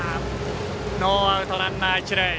ノーアウトランナー、一塁、二塁。